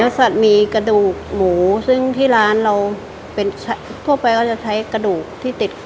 สัตว์มีกระดูกหมูซึ่งที่ร้านเราเป็นทั่วไปก็จะใช้กระดูกที่ติด